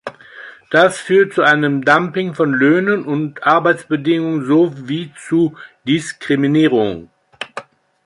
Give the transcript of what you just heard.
Das führt zu einem Dumping von Löhnen und Arbeitsbedingungen sowie zu Diskriminierung.